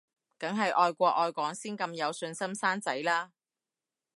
梗係愛國愛港先咁有信心生仔啦